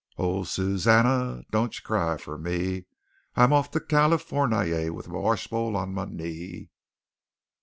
"Oh, Susannah! don't you cry for me! I'm off to California with my washbowl on my knee!"